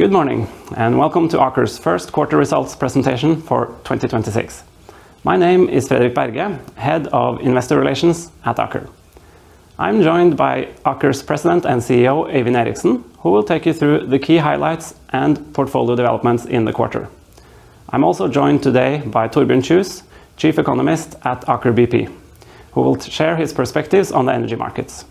Good morning, and welcome to Aker's first quarter results presentation for 2026. My name is Fredrik Berge, Head of Investor Relations at Aker. I'm joined by Aker's President and CEO, Øyvind Eriksen, who will take you through the key highlights and portfolio developments in the quarter. I'm also joined today by Torbjørn Kjus, Chief Economist at Aker BP, who will share his perspectives on the energy markets.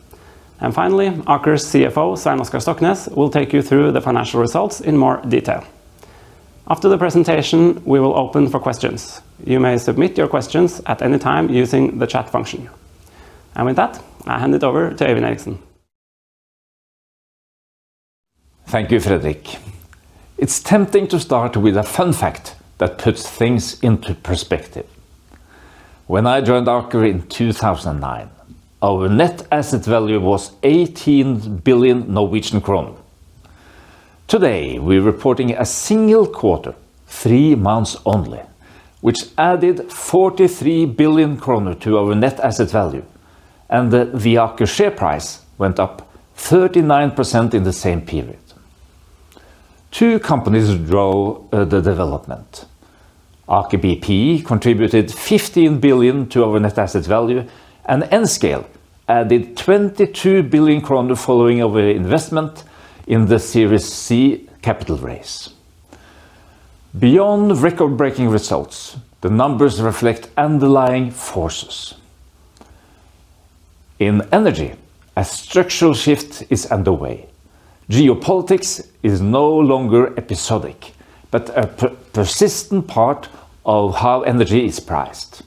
Finally, Aker's CFO, Svein Oskar Stoknes, will take you through the financial results in more detail. After the presentation, we will open for questions. You may submit your questions at any time using the chat function. With that, I hand it over to Øyvind Eriksen. Thank you, Fredrik. It's tempting to start with a fun fact that puts things into perspective. When I joined Aker in 2009, our net asset value was 18 billion. Today, we're reporting a single quarter, three months only, which added 43 billion kroner to our net asset value, and the Aker share price went up 39% in the same period. Two companies drove the development. Aker BP contributed 15 billion to our net asset value, and Nscale added 22 billion kroner following our investment in the Series C capital raise. Beyond record-breaking results, the numbers reflect underlying forces. In energy, a structural shift is underway. Geopolitics is no longer episodic, but a persistent part of how energy is priced.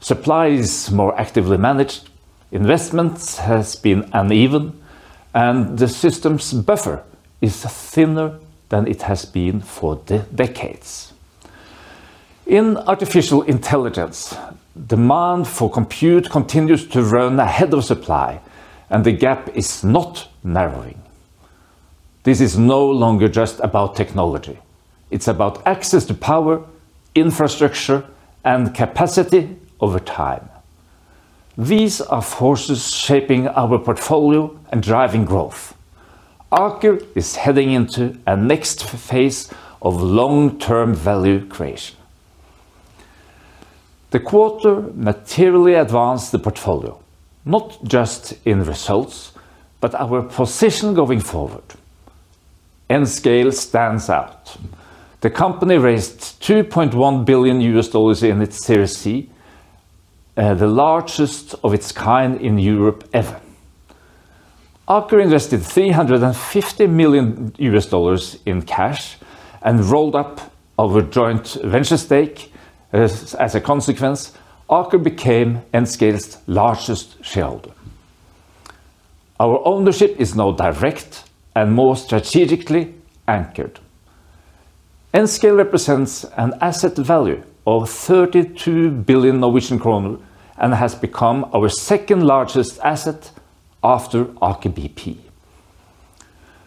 Supply is more actively managed, investment has been uneven, and the system's buffer is thinner than it has been for decades. In artificial intelligence, demand for compute continues to run ahead of supply, and the gap is not narrowing. This is no longer just about technology. It's about access to power, infrastructure, and capacity over time. These are forces shaping our portfolio and driving growth. Aker is heading into a next phase of long-term value creation. The quarter materially advanced the portfolio, not just in results, but our position going forward. Nscale stands out. The company raised $2.1 billion in its Series C, the largest of its kind in Europe ever. Aker invested $350 million in cash and rolled up our joint venture stake. As a consequence, Aker became Nscale's largest shareholder. Our ownership is now direct and more strategically anchored. Nscale represents an asset value of 32 billion Norwegian kroner and has become our second-largest asset after Aker BP.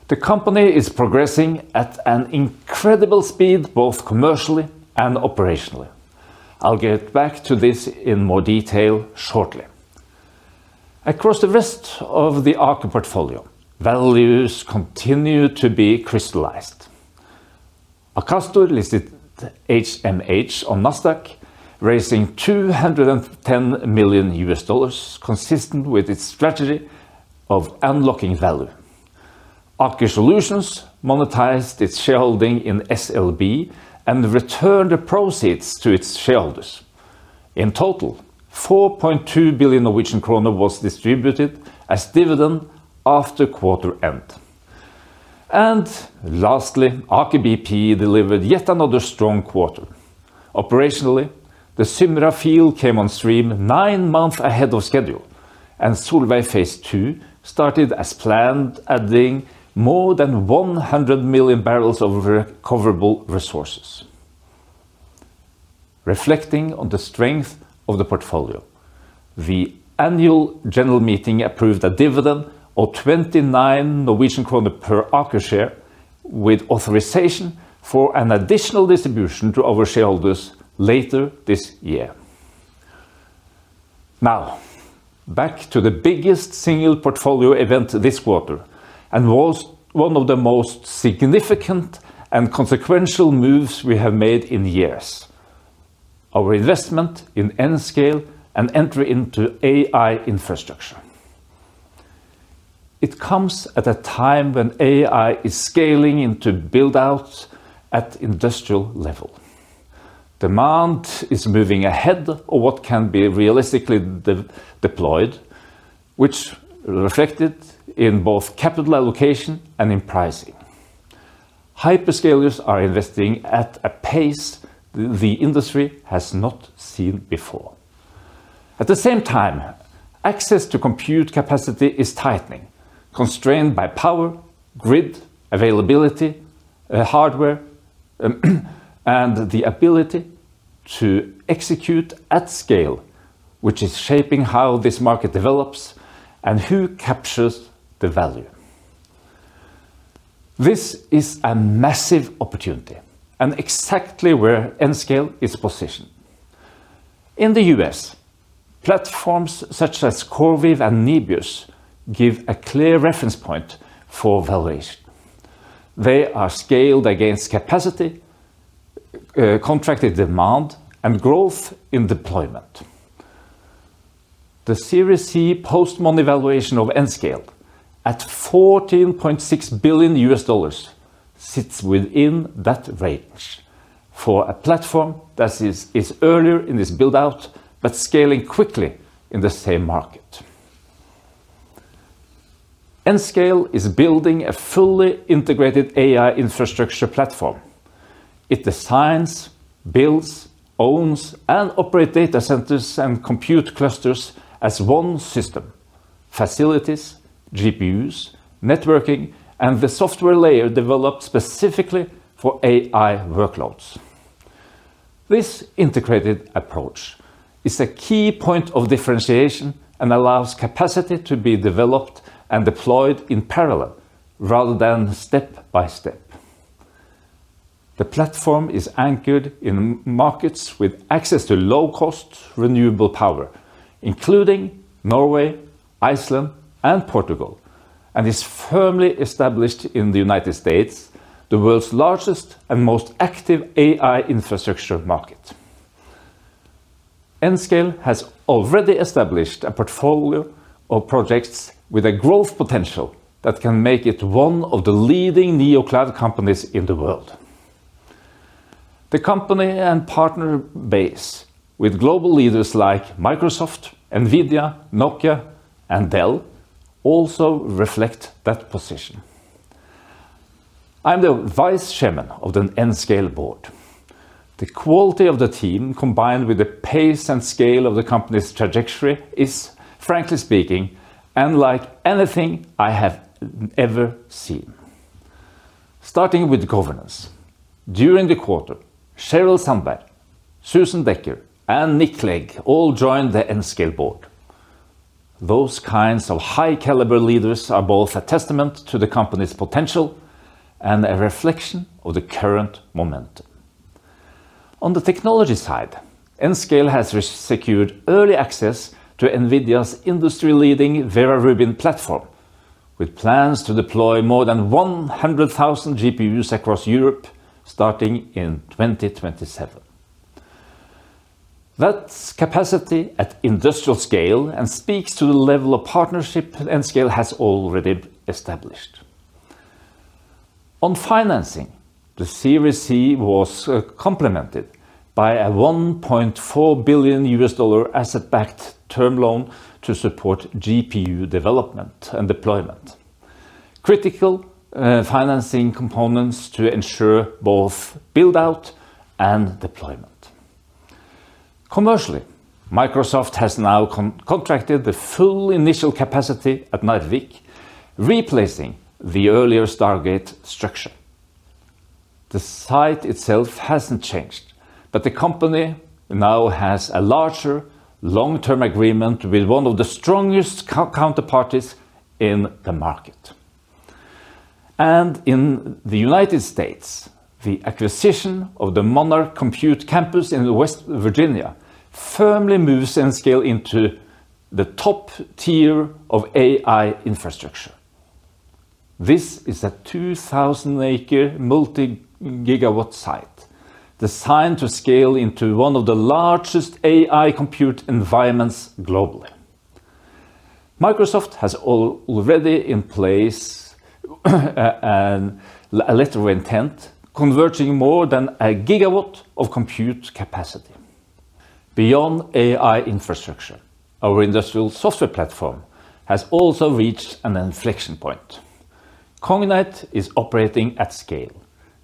The company is progressing at an incredible speed, both commercially and operationally. I'll get back to this in more detail shortly. Across the rest of the Aker portfolio, values continue to be crystallized. Akastor listed HMH on Nasdaq, raising $210 million, consistent with its strategy of unlocking value. Aker Solutions monetized its shareholding in SLB and returned the proceeds to its shareholders. In total, 4.2 billion Norwegian kroner was distributed as dividend after quarter end. Lastly, Aker BP delivered yet another strong quarter. Operationally, the Symra field came on stream nine months ahead of schedule, and Solveig Phase Two started as planned, adding more than 100 million barrels of recoverable resources. Reflecting on the strength of the portfolio, the annual general meeting approved a dividend of 29 Norwegian kroner per Aker share with authorization for an additional distribution to our shareholders later this year. Now, back to the biggest single portfolio event this quarter and was one of the most significant and consequential moves we have made in years, our investment in Nscale and entry into AI infrastructure. It comes at a time when AI is scaling into build-outs at industrial level. Demand is moving ahead of what can be realistically deployed, which reflected in both capital allocation and in pricing. Hyperscalers are investing at a pace the industry has not seen before. At the same time, access to compute capacity is tightening, constrained by power, grid availability, hardware, and the ability to execute at scale, which is shaping how this market develops and who captures the value. This is a massive opportunity and exactly where Nscale is positioned. In the U.S., platforms such as CoreWeave and Nebius give a clear reference point for valuation. They are scaled against capacity, contracted demand and growth in deployment. The Series C post-money valuation of Nscale at $14.6 billion sits within that range for a platform that is earlier in this build-out but scaling quickly in the same market. Nscale is building a fully integrated AI infrastructure platform. It designs, builds, owns, and operate data centers and compute clusters as one system. Facilities, GPUs, networking, and the software layer developed specifically for AI workloads. This integrated approach is a key point of differentiation and allows capacity to be developed and deployed in parallel rather than step by step. The platform is anchored in markets with access to low-cost renewable power, including Norway, Iceland, and Portugal, and is firmly established in the U.S., the world's largest and most active AI infrastructure market. Nscale has already established a portfolio of projects with a growth potential that can make it one of the leading neocloud companies in the world. The company and partner base with global leaders like Microsoft, NVIDIA, Nokia, and Dell also reflect that position. I'm the vice chairman of the Nscale board. The quality of the team, combined with the pace and scale of the company's trajectory, is, frankly speaking, unlike anything I have ever seen. Starting with governance. During the quarter, Sheryl Sandberg, Susan Becker, and Nick Clegg all joined the Nscale board. Those kinds of high-caliber leaders are both a testament to the company's potential and a reflection of the current momentum. On the technology side, Nscale has secured early access to NVIDIA's industry-leading Vera Rubin platform, with plans to deploy more than 100,000 GPUs across Europe starting in 2027. That's capacity at industrial scale and speaks to the level of partnership Nscale has already established. On financing, the Series C was complemented by a $1.4 billion asset-backed term loan to support GPU development and deployment. Critical financing components to ensure both build-out and deployment. Commercially, Microsoft has now contracted the full initial capacity at Narvik, replacing the earlier Stargate structure. The site itself hasn't changed, but the company now has a larger long-term agreement with one of the strongest counterparties in the market. In the United States, the acquisition of the Monarch Compute campus in West Virginia firmly moves Nscale into the top tier of AI infrastructure. This is a 2,000 acres multi-gigawatt site designed to scale into one of the largest AI compute environments globally. Microsoft has already in place a letter of intent, converting more than a gigawatt of compute capacity. Beyond AI infrastructure, our industrial software platform has also reached an inflection point. Cognite is operating at scale,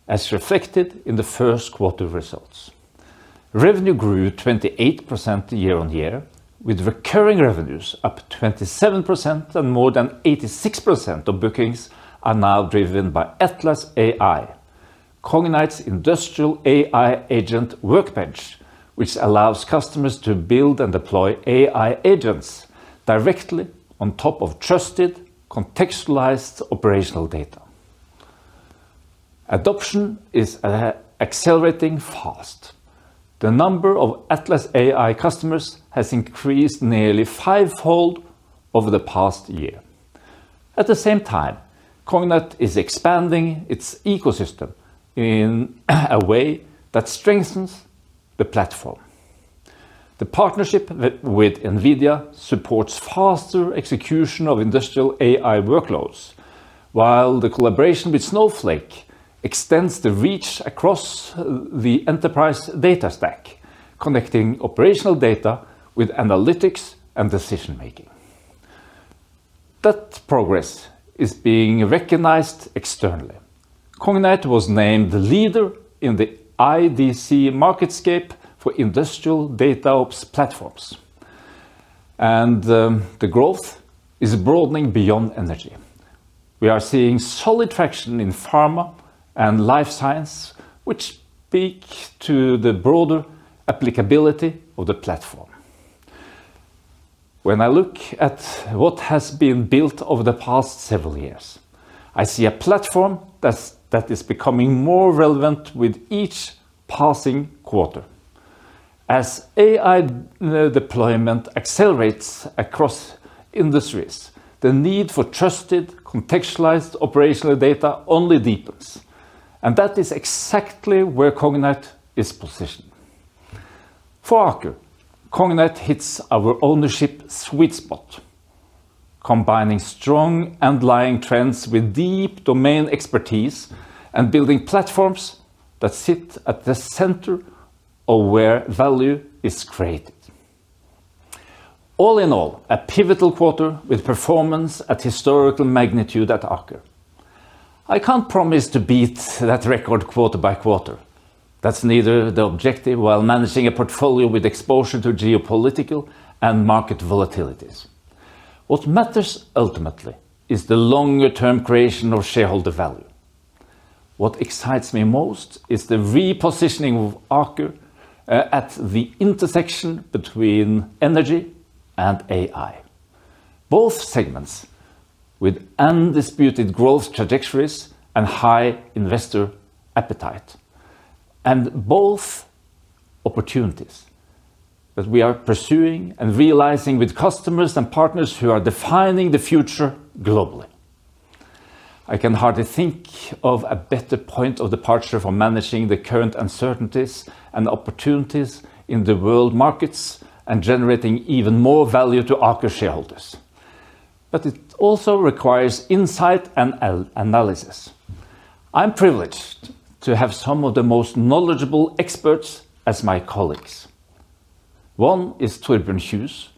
as reflected in the first quarter results. Revenue grew 28% year-on-year, with recurring revenues up 27% and more than 86% of bookings are now driven by Atlas AI, Cognite's industrial AI agent workbench, which allows customers to build and deploy AI agents directly on top of trusted, contextualized operational data. Adoption is accelerating fast. The number of Atlas AI customers has increased nearly five-fold over the past year. At the same time, Cognite is expanding its ecosystem in a way that strengthens the platform. The partnership with NVIDIA supports faster execution of industrial AI workloads, while the collaboration with Snowflake extends the reach across the enterprise data stack, connecting operational data with analytics and decision-making. That progress is being recognized externally. Cognite was named the leader in the IDC MarketScape for industrial DataOps platforms, and the growth is broadening beyond energy. We are seeing solid traction in pharma and life science, which speak to the broader applicability of the platform. When I look at what has been built over the past several years, I see a platform that is becoming more relevant with each passing quarter. As AI deployment accelerates across industries, the need for trusted contextualized operational data only deepens, and that is exactly where Cognite is positioned. For Aker, Cognite hits our ownership sweet spot, combining strong underlying trends with deep domain expertise and building platforms that sit at the center of where value is created. All in all, a pivotal quarter with performance at historical magnitude at Aker. I can't promise to beat that record quarter by quarter. That's neither the objective while managing a portfolio with exposure to geopolitical and market volatilities. What matters ultimately is the longer term creation of shareholder value. What excites me most is the repositioning of Aker at the intersection between energy and AI. Both segments with undisputed growth trajectories and high investor appetite, and both opportunities that we are pursuing and realizing with customers and partners who are defining the future globally. I can hardly think of a better point of departure for managing the current uncertainties and opportunities in the world markets and generating even more value to Aker shareholders. It also requires insight and analysis. I'm privileged to have some of the most knowledgeable experts as my colleagues. One is Torbjørn Kjus,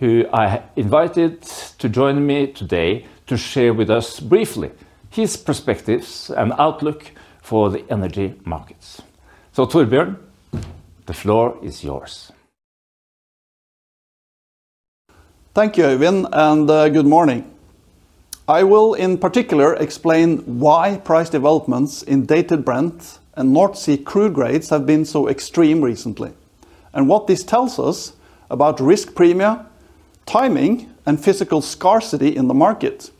who I invited to join me today to share with us briefly his perspectives and outlook for the energy markets. Torbjørn, the floor is yours. Thank you, Øyvind, good morning. I will in particular explain why price developments in Dated Brent and North Sea crude grades have been so extreme recently and what this tells us about risk premia, timing, and physical scarcity in the market,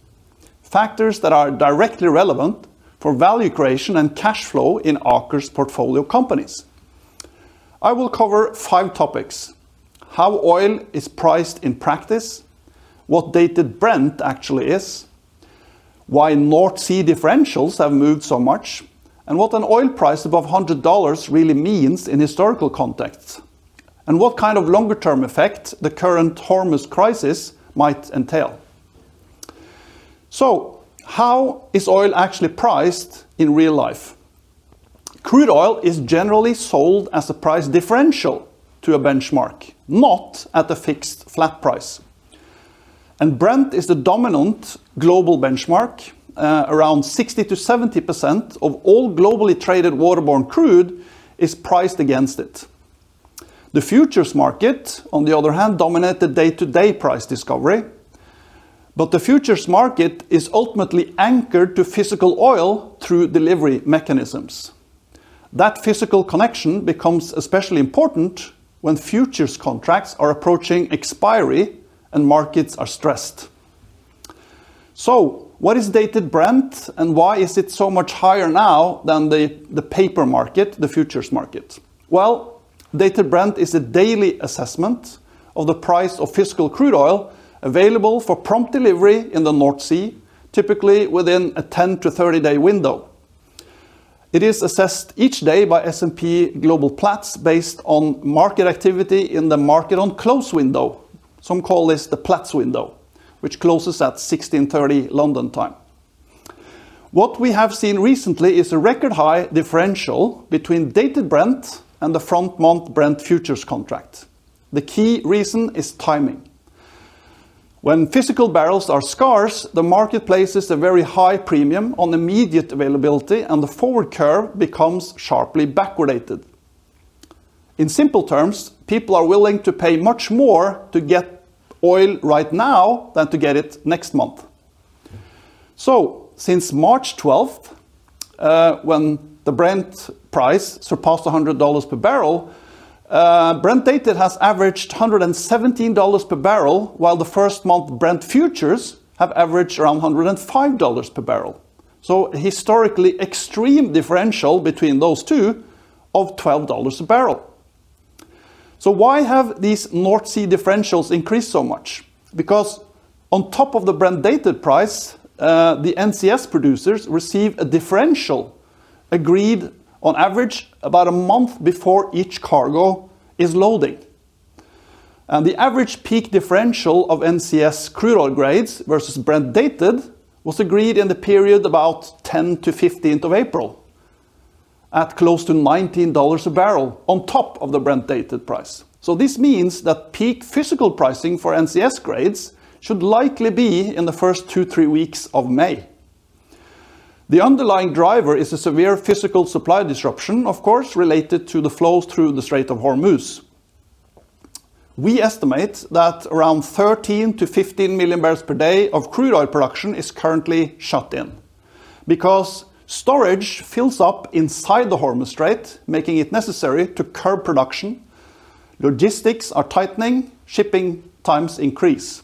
factors that are directly relevant for value creation and cash flow in Aker's portfolio companies. I will cover five topics: how oil is priced in practice, what Dated Brent actually is, why North Sea differentials have moved so much, and what an oil price above $100 really means in historical context, and what kind of longer-term effect the current Hormuz crisis might entail. How is oil actually priced in real life? Crude oil is generally sold as a price differential to a benchmark, not at a fixed flat price. Brent is the dominant global benchmark. Around 60% to 70% of all globally traded waterborne crude is priced against it. The futures market, on the other hand, dominate the day-to-day price discovery. The futures market is ultimately anchored to physical oil through delivery mechanisms. That physical connection becomes especially important when futures contracts are approaching expiry and markets are stressed. What is Dated Brent, and why is it so much higher now than the paper market, the futures market? Dated Brent is a daily assessment of the price of physical crude oil available for prompt delivery in the North Sea, typically within a 10-to-30 day window. It is assessed each day by S&P Global Platts based on market activity in the market on close window. Some call this the Platts window, which closes at 4:30 P.M. London time. What we have seen recently is a record high differential between Dated Brent and the front-month Brent futures contract. The key reason is timing. When physical barrels are scarce, the marketplaces a very high premium on immediate availability, and the forward curve becomes sharply backwardated. In simple terms, people are willing to pay much more to get oil right now than to get it next month. Since March 12th, when the Brent price surpassed $100 per barrel, Brent Dated has averaged $117 per barrel, while the first month Brent futures have averaged around $105 per barrel. Historically extreme differential between those two of $12 a barrel. Why have these North Sea differentials increased so much? On top of the Brent Dated price, the NCS producers receive a differential agreed on average about a month before each cargo is loaded. The average peak differential of NCS crude oil grades versus Brent Dated was agreed in the period about 10th to 15th of April at close to $19 a barrel on top of the Brent Dated price. This means that peak physical pricing for NCS grades should likely be in the first two, three weeks of May. The underlying driver is a severe physical supply disruption, of course, related to the flows through the Strait of Hormuz. We estimate that around 13 million-15 million barrels per day of crude oil production is currently shut in. Storage fills up inside the Hormuz Strait, making it necessary to curb production. Logistics are tightening. Shipping times increase.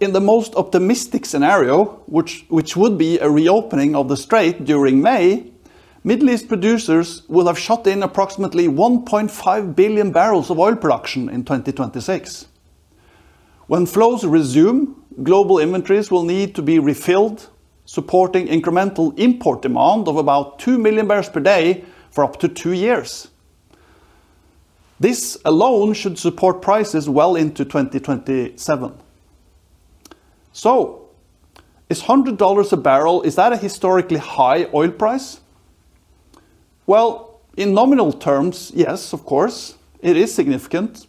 In the most optimistic scenario, which would be a reopening of the strait during May, Middle East producers will have shut in approximately 1.5 billion barrels of oil production in 2026. When flows resume, global inventories will need to be refilled, supporting incremental import demand of about 2 million barrels per day for up to two years. This alone should support prices well into 2027. Is $100 a barrel, is that a historically high oil price? In nominal terms, yes, of course, it is significant.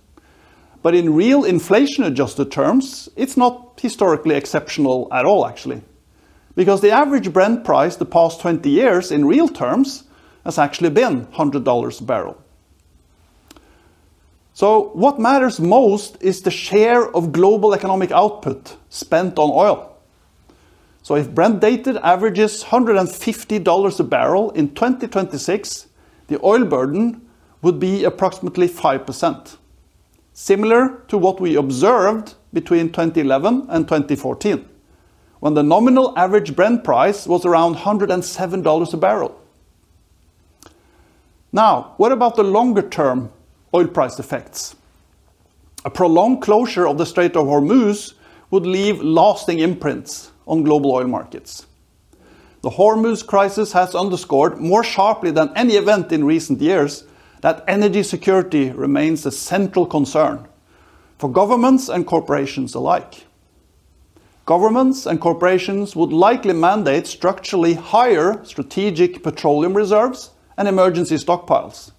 In real inflation-adjusted terms, it's not historically exceptional at all, actually. The average Brent price the past 20 years in real terms has actually been $100 a barrel. What matters most is the share of global economic output spent on oil. If Dated Brent averages $150 a barrel in 2026, the oil burden would be approximately 5%, similar to what we observed between 2011 and 2014, when the nominal average Brent price was around $107 a barrel. What about the longer-term oil price effects? A prolonged closure of the Strait of Hormuz would leave lasting imprints on global oil markets. The Hormuz crisis has underscored more sharply than any event in recent years that energy security remains a central concern for governments and corporations alike. Governments and corporations would likely mandate structurally higher strategic petroleum reserves and emergency stockpiles,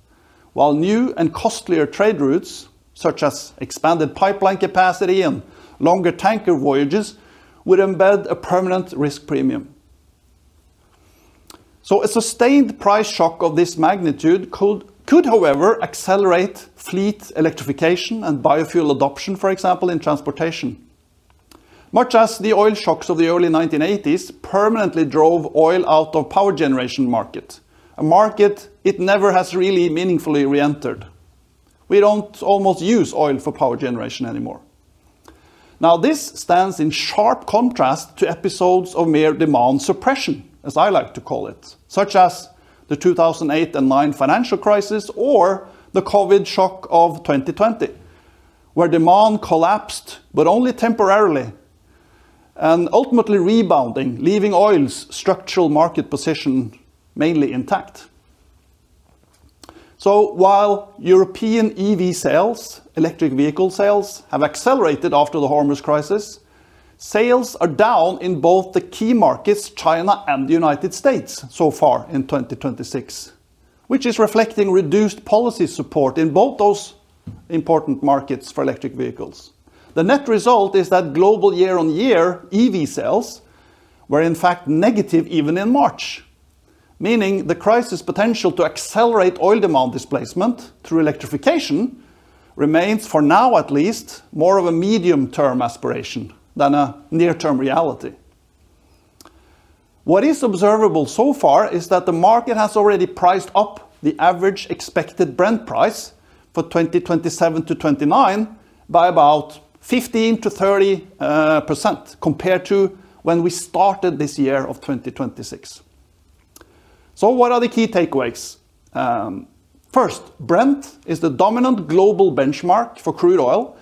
while new and costlier trade routes, such as expanded pipeline capacity and longer tanker voyages, would embed a permanent risk premium. A sustained price shock of this magnitude could, however, accelerate fleet electrification and biofuel adoption, for example, in transportation. Much as the oil shocks of the early 1980s permanently drove oil out of power generation market, a market it never has really meaningfully reentered. We don't almost use oil for power generation anymore. This stands in sharp contrast to episodes of mere demand suppression, as I like to call it, such as the 2008 and 2009 financial crisis or the COVID shock of 2020, where demand collapsed but only temporarily and ultimately rebounding, leaving oil's structural market position mainly intact. While European EV sales, electric vehicle sales, have accelerated after the Hormuz crisis, sales are down in both the key markets, China and the U.S., so far in 2026, which is reflecting reduced policy support in both those important markets for electric vehicles. The net result is that global year-on-year EV sales were in fact negative even in March, meaning the crisis potential to accelerate oil demand displacement through electrification remains, for now at least, more of a medium-term aspiration than a near-term reality. What is observable so far is that the market has already priced up the average expected Brent price for 2027-2029 by about 15%-30% compared to when we started this year of 2026. What are the key takeaways? First, Brent is the dominant global benchmark for crude oil,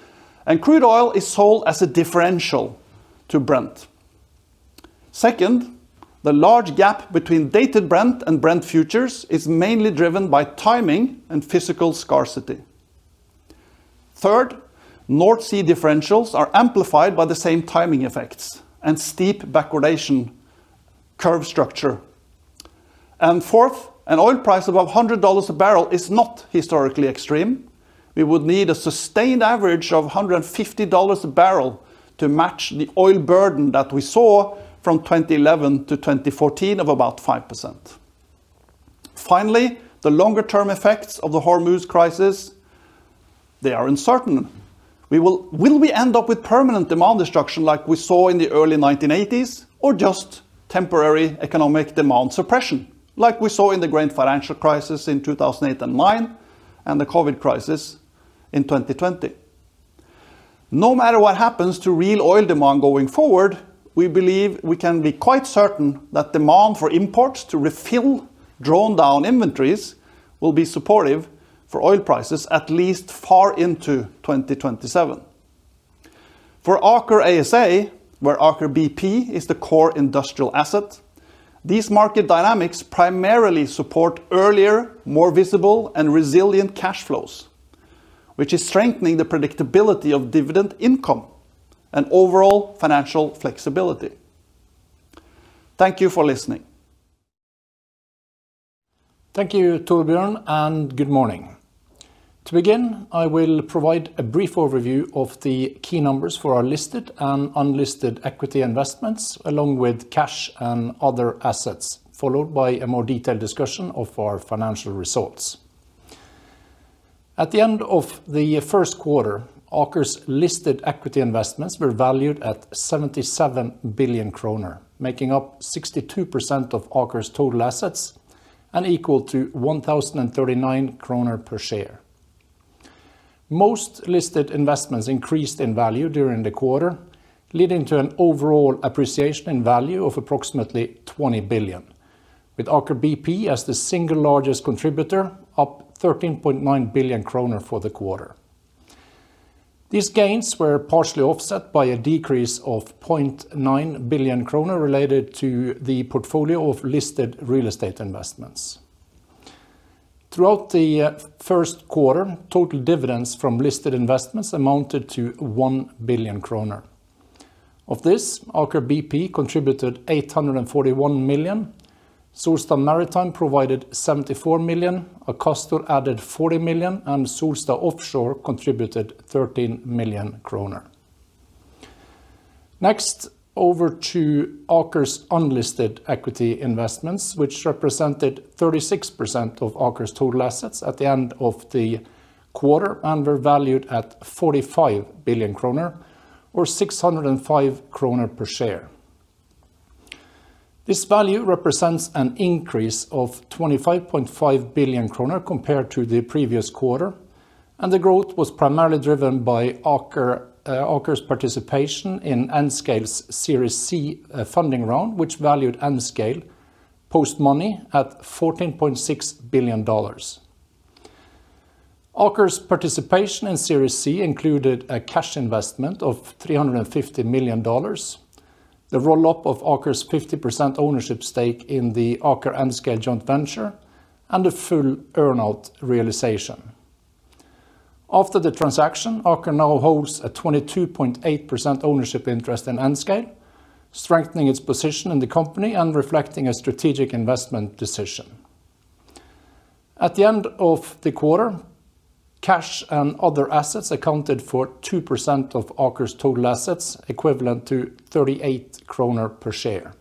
and crude oil is sold as a differential to Brent. Second, the large gap between Dated Brent and Brent futures is mainly driven by timing and physical scarcity. Third, North Sea differentials are amplified by the same timing effects and steep backwardation curve structure. Fourth, an oil price above $100 a barrel is not historically extreme. We would need a sustained average of $150 a barrel to match the oil burden that we saw from 2011 to 2014 of about 5%. Finally, the longer-term effects of the Hormuz crisis, they are uncertain. Will we end up with permanent demand destruction like we saw in the early 1980s, or just temporary economic demand suppression, like we saw in the great financial crisis in 2008 and 2009 and the COVID crisis in 2020? No matter what happens to real oil demand going forward, we believe we can be quite certain that demand for imports to refill drawn down inventories will be supportive for oil prices at least far into 2027. For Aker ASA, where Aker BP is the core industrial asset, these market dynamics primarily support earlier, more visible, and resilient cash flows, which is strengthening the predictability of dividend income and overall financial flexibility. Thank you for listening. Thank you, Torbjørn, and good morning. To begin, I will provide a brief overview of the key numbers for our listed and unlisted equity investments, along with cash and other assets, followed by a more detailed discussion of our financial results. At the end of the first quarter, Aker's listed equity investments were valued at 77 billion kroner, making up 62% of Aker's total assets and equal to 1,039 kroner per share. Most listed investments increased in value during the quarter, leading to an overall appreciation in value of approximately 20 billion, with Aker BP as the single largest contributor, up 13.9 billion kroner for the quarter. These gains were partially offset by a decrease of 0.9 billion kroner related to the portfolio of listed real estate investments. Throughout the first quarter, total dividends from listed investments amounted to 1 billion kroner. Of this, Aker BP contributed 841 million, Solstad Maritime provided 74 million, Akastor added 40 million, and Solstad Offshore contributed 13 million kroner. Next, over to Aker's unlisted equity investments, which represented 36% of Aker's total assets at the end of the quarter and were valued at 45 billion kroner or 605 kroner per share. This value represents an increase of 25.5 billion kroner compared to the previous quarter, the growth was primarily driven by Aker's participation in Nscale's Series C funding round, which valued Nscale post-money at $14.6 billion. Aker's participation in Series C included a cash investment of $350 million, the roll-up of Aker's 50% ownership stake in the Aker Nscale joint venture, and a full earn-out realization. After the transaction, Aker now holds a 22.8% ownership interest in Nscale, strengthening its position in the company and reflecting a strategic investment decision. At the end of the quarter, cash and other assets accounted for 2% of Aker's total assets, equivalent to 38 kroner per share.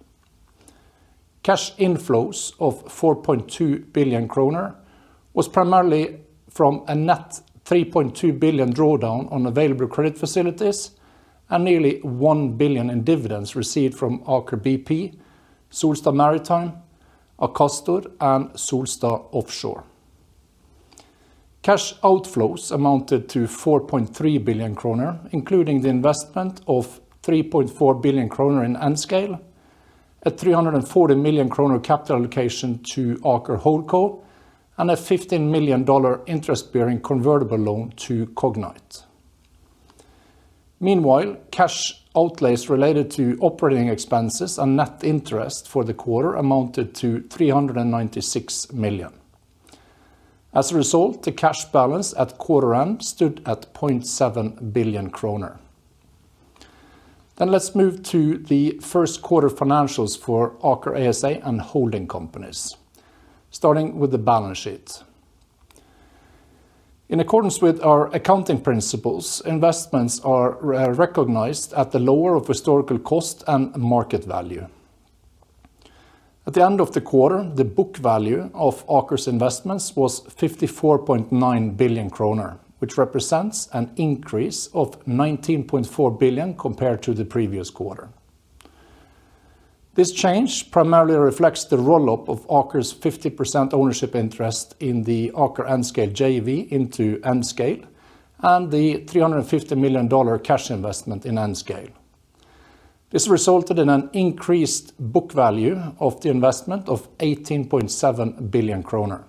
Cash inflows of 4.2 billion kroner was primarily from a net 3.2 billion drawdown on available credit facilities and nearly 1 billion in dividends received from Aker BP, Solstad Maritime, Akastor, and Solstad Offshore. Cash outflows amounted to 4.3 billion kroner, including the investment of 3.4 billion kroner in Nscale, a 340 million kroner capital allocation to Aker Holdco, and a $15 million interest-bearing convertible loan to Cognite. Meanwhile, cash outlays related to operating expenses and net interest for the quarter amounted to 396 million. As a result, the cash balance at quarter end stood at 0.7 billion kroner. Let's move to the first quarter financials for Aker ASA and holding companies, starting with the balance sheet. In accordance with our accounting principles, investments are re-recognized at the lower of historical cost and market value. At the end of the quarter, the book value of Aker's investments was 54.9 billion kroner, which represents an increase of 19.4 billion compared to the previous quarter. This change primarily reflects the roll-up of Aker's 50% ownership interest in the Aker Nscale JV into Nscale and the $350 million cash investment in Nscale. This resulted in an increased book value of the investment of 18.7 billion kroner.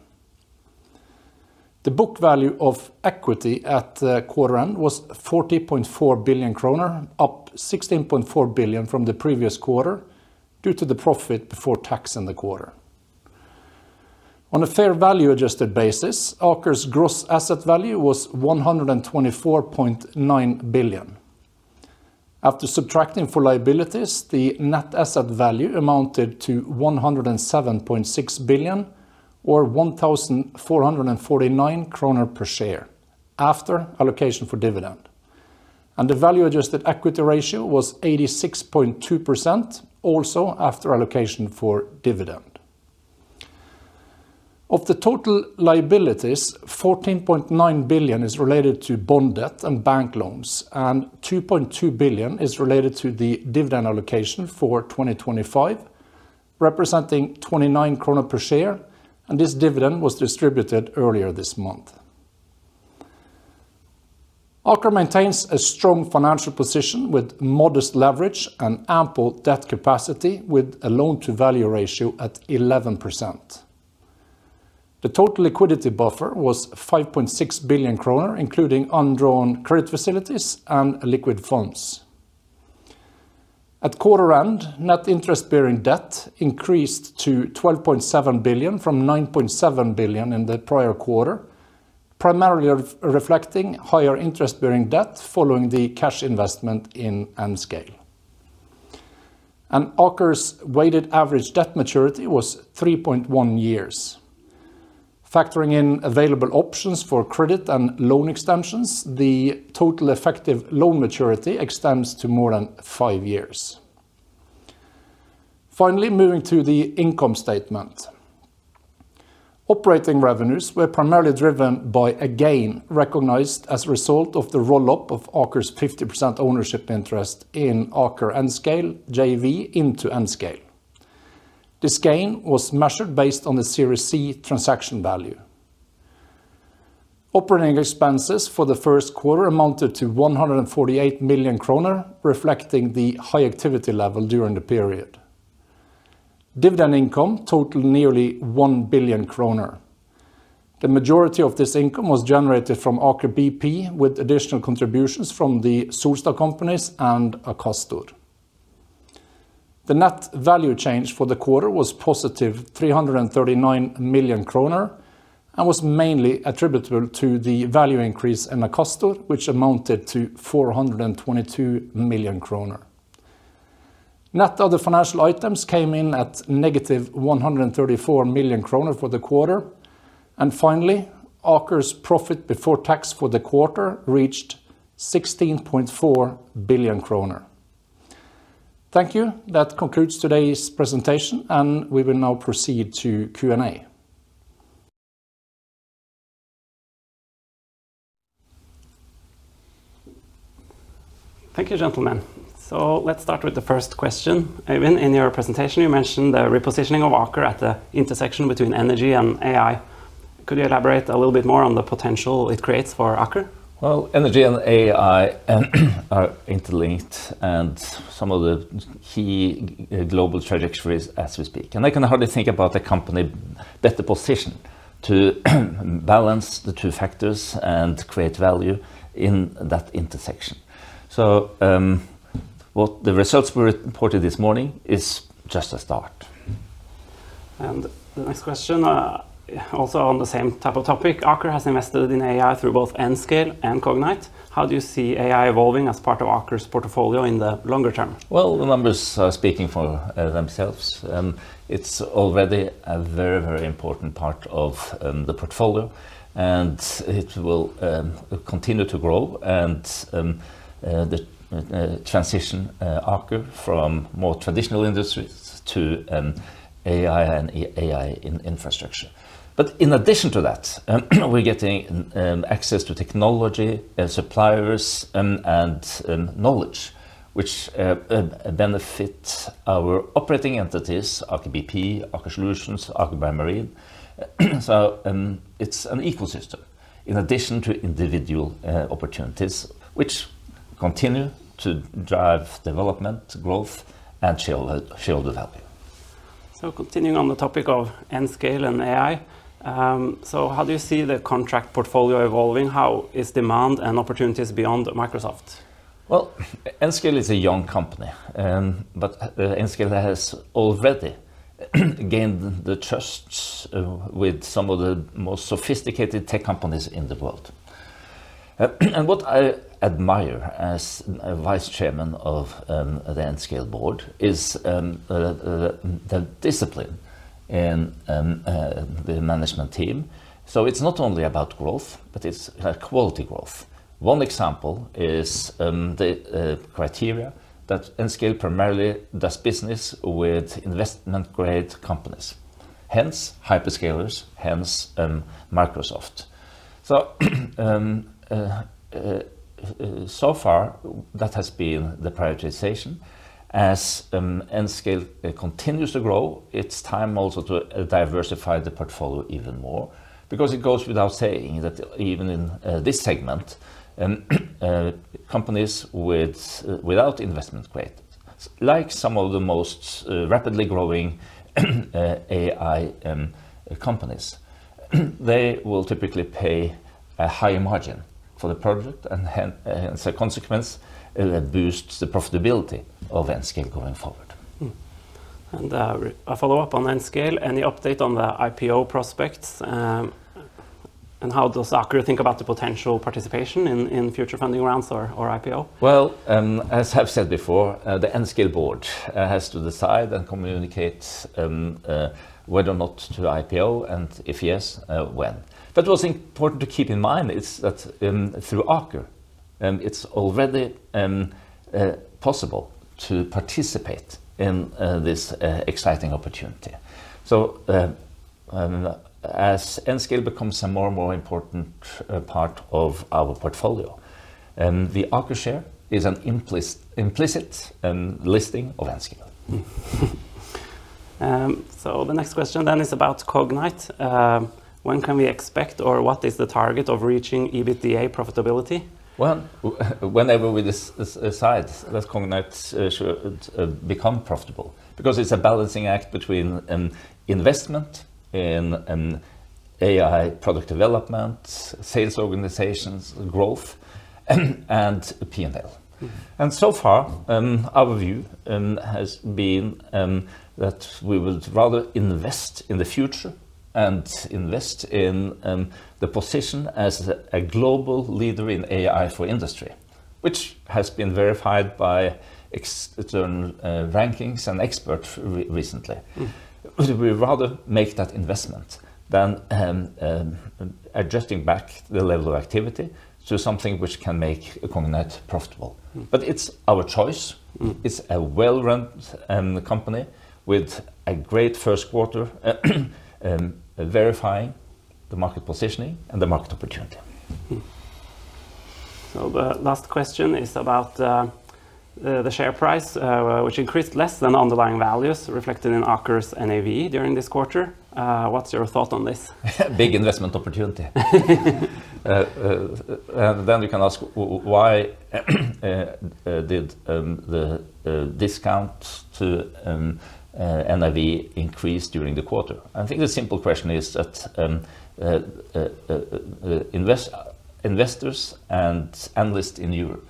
The book value of equity at the quarter end was 40.4 billion kroner, up 16.4 billion from the previous quarter due to the profit before tax in the quarter. On a fair value adjusted basis, Aker's gross asset value was 124.9 billion. After subtracting for liabilities, the net asset value amounted to 107.6 billion or 1,449 kroner per share after allocation for dividend. The value adjusted equity ratio was 86.2%, also after allocation for dividend. Of the total liabilities, 14.9 billion is related to bond debt and bank loans, and 2.2 billion is related to the dividend allocation for 2025, representing 29 krone per share, and this dividend was distributed earlier this month. Aker maintains a strong financial position with modest leverage and ample debt capacity with a loan-to-value ratio at 11%. The total liquidity buffer was 5.6 billion kroner, including undrawn credit facilities and liquid funds. At quarter end, net interest-bearing debt increased to 12.7 billion from 9.7 billion in the prior quarter, primarily reflecting higher interest-bearing debt following the cash investment in Nscale. Aker's weighted average debt maturity was 3.1 years. Factoring in available options for credit and loan extensions, the total effective loan maturity extends to more than 5 years. Finally, moving to the income statement. Operating revenues were primarily driven by a gain recognized as a result of the roll-up of Aker's 50% ownership interest in Aker Nscale JV into Nscale. This gain was measured based on the Series C transaction value. Operating expenses for the first quarter amounted to 148 million kroner, reflecting the high activity level during the period. Dividend income totaled nearly 1 billion kroner. The majority of this income was generated from Aker BP, with additional contributions from the Solstad companies and Akastor. The net value change for the quarter was positive 339 million kroner and was mainly attributable to the value increase in Akastor, which amounted to 422 million kroner. Net other financial items came in at negative 134 million kroner for the quarter. Finally, Aker's profit before tax for the quarter reached 16.4 billion kroner. Thank you. That concludes today's presentation, and we will now proceed to Q&A. Thank you, gentlemen. Let's start with the first question. Øyvind, in your presentation, you mentioned the repositioning of Aker at the intersection between energy and AI. Could you elaborate a little bit more on the potential it creates for Aker? Energy and AI are interlinked and some of the key global trajectories as we speak. I can hardly think about a company better positioned to balance the two factors and create value in that intersection. What the results were reported this morning is just a start. The next question, also on the same type of topic. Aker has invested in AI through both Nscale and Cognite. How do you see AI evolving as part of Aker's portfolio in the longer term? Well, the numbers are speaking for themselves. It's already a very, very important part of the portfolio, and it will continue to grow and the transition Aker from more traditional industries to AI and AI in-infrastructure. In addition to that, we're getting access to technology and suppliers and knowledge which benefit our operating entities, Aker BP, Aker Solutions, Aker BioMarine. It's an ecosystem in addition to individual opportunities which continue to drive development, growth, and shield of value. Continuing on the topic of Nscale and AI. How do you see the contract portfolio evolving? How is demand and opportunities beyond Microsoft? Nscale is a young company, but Nscale has already gained the trust with some of the most sophisticated tech companies in the world. What I admire as vice chairman of the Nscale board is the discipline and the management team. It's not only about growth, but it's quality growth. One example is the criteria that Nscale primarily does business with investment-grade companies, hence hyperscalers, hence Microsoft. So far that has been the prioritization. As Nscale continues to grow, it's time also to diversify the portfolio even more because it goes without saying that even in this segment, companies with, without investment grade, like some of the most rapidly growing AI companies, they will typically pay a higher margin for the project and as a consequence, boost the profitability of Nscale going forward. A follow-up on Nscale. Any update on the IPO prospects? How does Aker think about the potential participation in future funding rounds or IPO? Well, as I've said before, the Nscale board has to decide and communicate whether or not to IPO and if yes, when. What's important to keep in mind is that, through Aker, it's already possible to participate in this exciting opportunity. As Nscale becomes a more and more important part of our portfolio, the Aker share is an implicit listing of Nscale. The next question then is about Cognite. When can we expect, or what is the target of reaching EBITDA profitability? Well, whenever we decide that Cognite should become profitable because it's a balancing act between an investment in an AI product development, sales organizations, growth and P&L. So far, our view has been that we would rather invest in the future and invest in the position as a global leader in AI for industry, which has been verified by certain rankings and experts recently. We'd rather make that investment than adjusting back the level of activity to something which can make Cognite profitable. It's our choice. It's a well-run company with a great first quarter, verifying the market positioning and the market opportunity. The last question is about the share price, which increased less than underlying values reflected in Aker's NAV during this quarter. What's your thought on this? Big investment opportunity. Then you can ask, why did the discount to NAV increase during the quarter? I think the simple question is that investors and analysts in Europe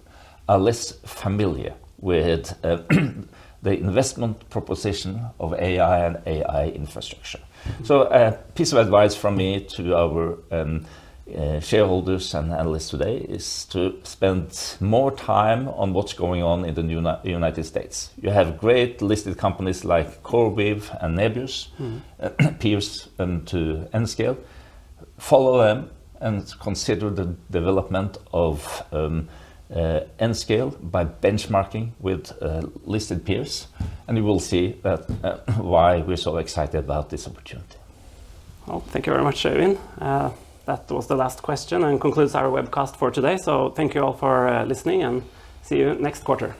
are less familiar with the investment proposition of AI and AI infrastructure. A piece of advice from me to our shareholders and analysts today is to spend more time on what's going on in the U.S. You have great listed companies like CoreWeave and Nebius. peers, to Nscale. Follow them and consider the development of Nscale by benchmarking with listed peers. You will see that why we're so excited about this opportunity. Well, thank you very much, Øyvind. That was the last question and concludes our webcast for today. Thank you all for listening and see you next quarter.